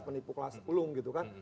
penipu kelas sepuluh gitu kan